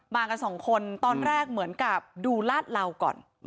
มากันสองคนตอนแรกเหมือนกับดูลาดเหล่าก่อน